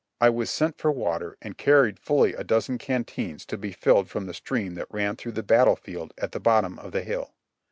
I was sent for water, and car ried fully a dozen canteens to be filled from the stream that ran through the battle field at the bottom of the hill.